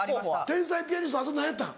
天才ピアニストとあと何やったん？